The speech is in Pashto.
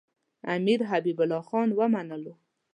امیر حبیب الله خان ومنلو.